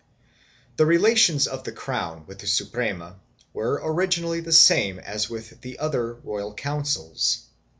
The relations of the crown with the Suprema were originally the same as with the other royal councils.